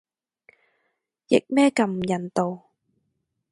譯咩咁唔人道